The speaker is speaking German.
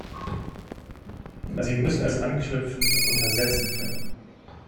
Sie müssen es anknüpfend untersetzen können.